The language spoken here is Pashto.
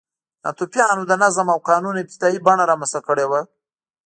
ناتوفیانو د نظم او قانون ابتدايي بڼه رامنځته کړې وه.